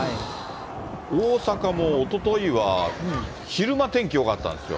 大阪もおとといは昼間、天気よかったんですよ。